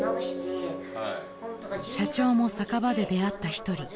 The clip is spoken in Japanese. ［社長も酒場で出会った一人］